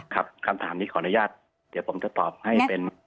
คำถามนี้ขออนุญาตเดี๋ยวผมจะตอบให้เป็น